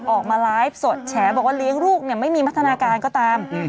ออกมาไลฟ์สดแฉบอกว่าเลี้ยงลูกเนี่ยไม่มีพัฒนาการก็ตาม